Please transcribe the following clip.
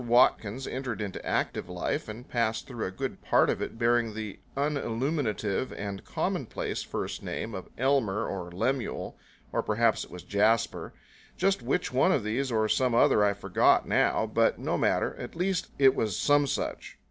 Watkins entered into active life and passed through a good part of it bearing the unilluminative and commonplace first name of Elmer or Lemuel, or perhaps it was Jasper. Just which one of these or some other I forgot now, but no matter; at least it was some such.